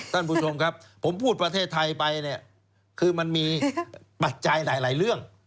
ท่านผู้ชมครับผมพูดประเทศไทยไปเนี่ยคือมันมีปัจจัยหลายเรื่อง